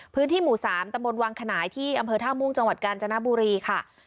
พื้นที่หมู่๓ตำบลวังขนายที่อำเภอท่าม่วงจังหวัดกาญจนบุรีค่ะ